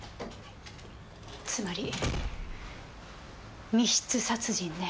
つまり密室殺人ね。